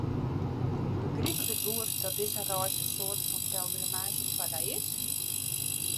Begryp ik it goed dat dizze reis in soarte fan pelgrimaazje foar dy is?